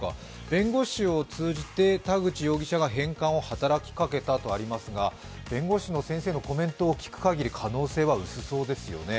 弁護士を通じて田口容疑者が返還を働きかけたとありますが、弁護士の先生のコメントを聞くかぎり可能性は薄そうですよね。